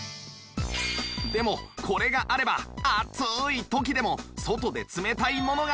でもこれがあれば暑い時でも外で冷たいものが飲めちゃう！